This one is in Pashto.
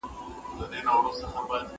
موږ بايد د پرديو په تمه ونه اوسو.